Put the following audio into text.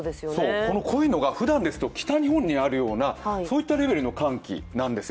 この濃いのがふだんですと北日本にあるようなそんなレベルの寒気なんですよ。